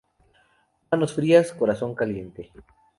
Manos frías, corazón caliente